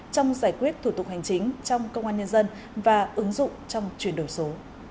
trong giải quyết thủ tục hành chính trong công an nhân dân và ứng dụng trong chuyển đổi số